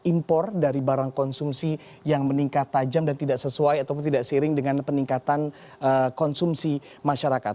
impor dari barang konsumsi yang meningkat tajam dan tidak sesuai ataupun tidak seiring dengan peningkatan konsumsi masyarakat